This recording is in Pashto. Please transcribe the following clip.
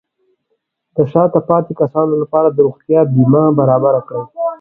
د شاته پاتې کسانو لپاره د روغتیا بیمه برابر کړئ.